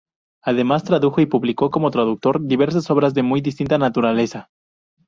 Además tradujo, y publicó como traductor, diversas obras de muy distinta naturaleza.